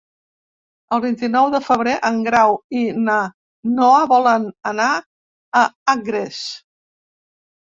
El vint-i-nou de febrer en Grau i na Noa volen anar a Agres.